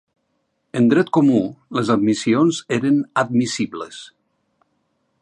En dret comú, les admissions eren admissibles.